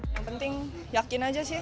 yang penting yakin aja